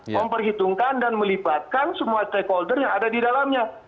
memperhitungkan dan melibatkan semua stakeholder yang ada di dalamnya